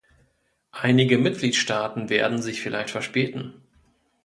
Einige Mitgliedstaaten werden sich vielleicht verspäten.